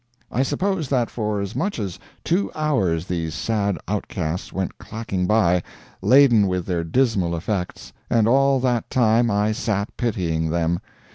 I suppose that for as much as two hours these sad outcasts went clacking by, laden with their dismal effects, and all that time I sat pitying them.